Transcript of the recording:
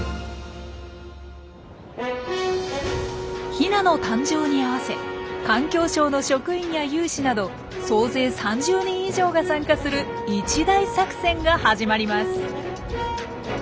ヒナの誕生に合わせ環境省の職員や有志など総勢３０人以上が参加する一大作戦が始まります。